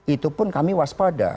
itu pun kami waspada